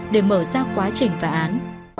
để mở ra quá trình phá án